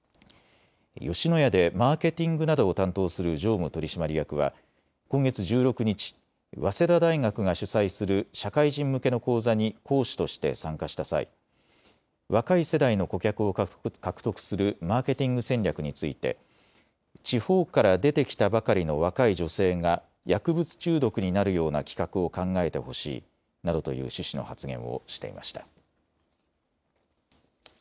吉野家でマーケティングなどを担当する常務取締役は今月１６日、早稲田大学が主催する社会人向けの講座に講師として参加した際、若い世代の顧客を獲得するマーケティング戦略について地方から出てきたばかりの若い女性が薬物中毒になるような企画を考えてほしいなどという趣旨の発言をしていました。